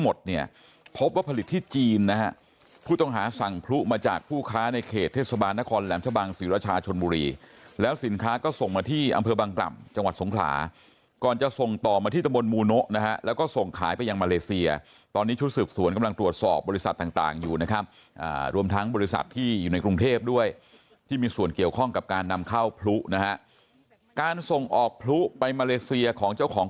มาสั่งพลุมาจากผู้ค้าในเขตเทศบารณคลแหลมชะบังศิราชชนบุรีแล้วสินค้าก็ส่งมาที่อำเภอบังกล่ำจังหวัดสงขราก่อนจะส่งต่อมาที่ตะบลโมนะและก็ส่งขายไปยังมาเลเซียตอนนี้ชุดศึกษ์ส่วนกำลังตรวจสบบริษัทต่างอยู่นะครับรวมทั้งบริษัทที่อยู่ในกรุงเทพด้วยที่มีส่วนเกี่ยวข้